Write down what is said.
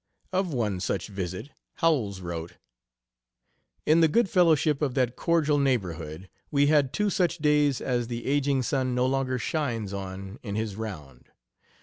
Of one such visit Howells wrote: "In the good fellowship of that cordial neighborhood we had two such days as the aging sun no longer shines on in his round.